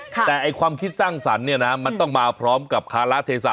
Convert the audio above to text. แต่ความคิดสร้างสรรค์เนี่ยนะมันต้องมาพร้อมกับคาระเทศะ